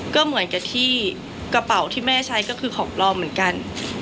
ก็เหมือนกับที่กระเป๋าที่แม่ใช้ก็คือของปลอมเหมือนกัน